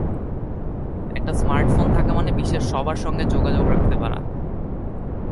একটা smart phone থাকা মানে বিশ্বের সবার সঙ্গে যোগাযোগ রাখতে পারা।